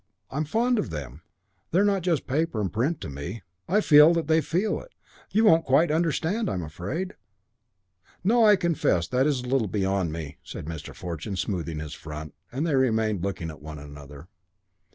I'm fond of them. They're not just paper and print to me. I feel that they feel it. You won't quite understand, I'm afraid " "No, I confess that is a little beyond me," said Mr. Fortune, smoothing his front; and they remained looking at one another.